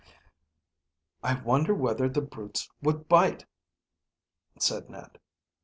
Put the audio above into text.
"I wonder whether the brutes would bite," said Ned.